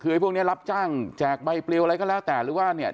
คือพวกนี้เนี่ยรับจ้างแจกใบเปลี่ยวอะไรก็แล้วแต่หรือว่าเนี่ย